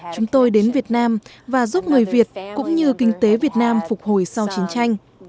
chúng tôi đến việt nam và giúp người việt cũng như kinh tế việt nam phục hồi sau chiến tranh